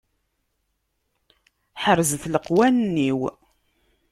Ḥerzet leqwanen-iw.